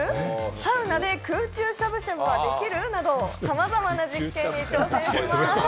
サウナで空中しゃぶしゃぶはできる？など、さまざまな実験に挑戦します。